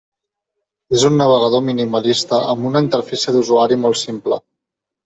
És un navegador minimalista amb una interfície d'usuari molt simple.